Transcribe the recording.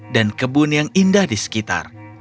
dan kebun yang indah di sekitar